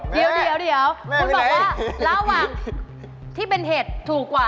เดี๋ยวคุณบอกว่าระหว่างที่เป็นเห็ดถูกกว่า